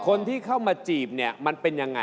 คนที่เข้ามาจีบเนี่ยมันเป็นยังไง